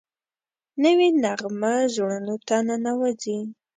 نوې نغمه زړونو ته ننوځي